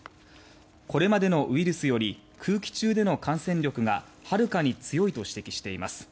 これまでのウイルスより空気中での感染力がはるかに強いと指摘しています。